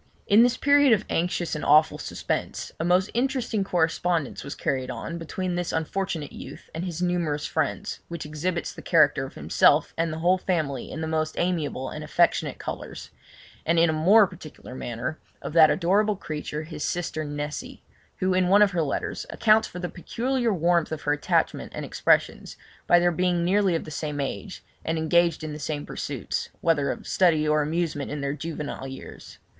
In this period of anxious and awful suspense, a most interesting correspondence was carried on between this unfortunate youth and his numerous friends, which exhibits the character of himself and the whole family in the most amiable and affectionate colours, and in a more particular manner, of that adorable creature, his sister Nessy, who, in one of her letters, accounts for the peculiar warmth of her attachment and expressions by their being nearly of the same age, and engaged in the same pursuits, whether of study or amusement in their juvenile years.